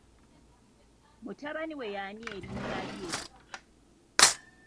Mutabani we y'ani erinnya lye?